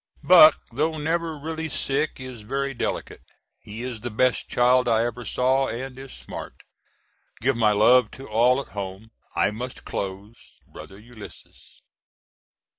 Buck, though never really sick, is very delicate. He is the best child I ever saw and is smart. Give my love to all at home. I must close. BROTHER ULYS.